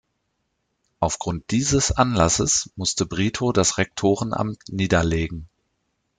Aufgrund dieses Anlasses musste Brito das Rektorenamt niederlegen.